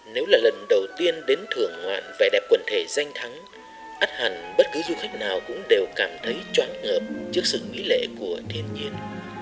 nếu là lần đầu tiên đến thưởng ngoạn vẻ đẹp quần thể danh thắng át hẳn bất cứ du khách nào cũng đều cảm thấy chóng ngợp trước sự mỹ lệ của thiên nhiên